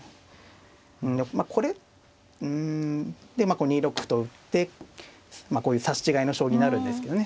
うんまあこれうんでまあこう２六歩と打ってこういう刺し違えの将棋になるんですけどね。